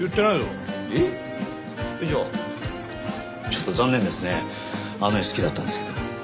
ちょっと残念ですねあの絵好きだったんですけど。